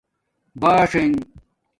بلݽنݣ